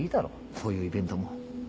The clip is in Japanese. こういうイベントも。